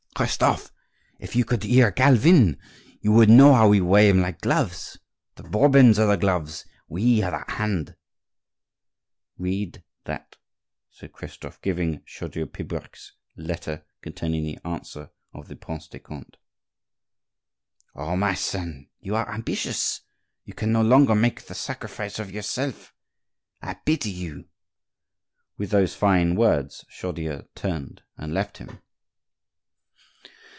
"Christophe, if you could hear Calvin, you would know how we wear them like gloves! The Bourbons are the gloves, we are the hand." "Read that," said Christophe, giving Chaudieu Pibrac's letter containing the answer of the Prince de Conde. "Oh! my son; you are ambitious, you can no longer make the sacrifice of yourself!—I pity you!" With those fine words Chaudieu turned and left him.